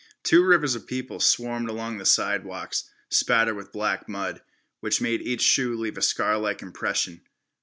Two rivers of people swarmed along the sidewalks, spattered with black mud, which made each shoe leave a scarlike impression.